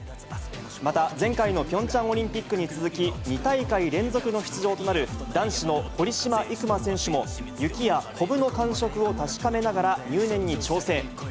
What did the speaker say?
また、前回のピョンチャンオリンピックに続き、２大会連続の出場となる、男子の堀島行真選手も、雪やこぶの感触を確かめながら、入念に調整。